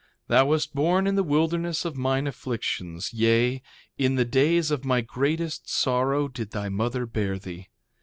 Thou wast born in the wilderness of mine afflictions; yea, in the days of my greatest sorrow did thy mother bear thee.